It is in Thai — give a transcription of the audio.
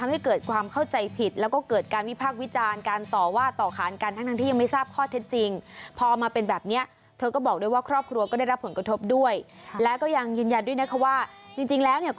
เรียนพิเศษต่างอนาคตของเขาก็ด้วยเหมือนกัน